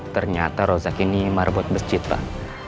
ternyata rozak ini marbot masjid pak